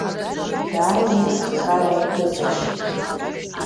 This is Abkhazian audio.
Дааиуеит аккара дыҵашьшь.